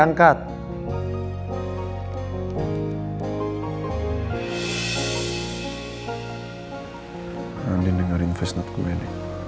jangan cuma tanpa perbaikan